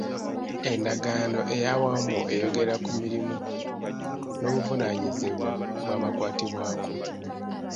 Endagaano ey'awamu eyogera ku mirimu n'obuvunaanyizibwa bw'abakwatibwako.